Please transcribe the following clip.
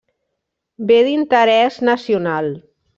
Bé d'interès nacional.